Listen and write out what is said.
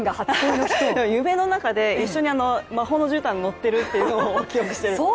夢の中で一緒に魔法の絨毯に乗っているっていうのを記憶してる。